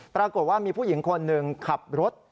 ปรากฏว่ามีผู้หญิงคนหนึ่งขับรถ